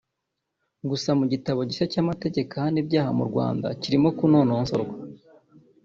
Gusa mu gitabo gishya cy’amategeko ahana ibyaha mu Rwanda kirimo kunonosorwa